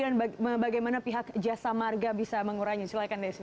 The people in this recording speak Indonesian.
dan bagaimana pihak jasa marga bisa mengurangi silahkan desi